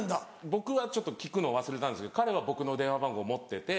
僕はちょっと聞くの忘れたんですけど彼は僕の電話番号持ってて。